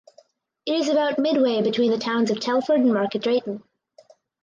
It is about midway between the towns of Telford and Market Drayton.